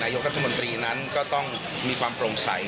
นายกุธรรมนทรีย์นั้นก็ต้องมีความโปร่งใส